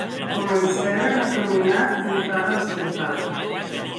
Comencèren a caminar entara ciutat.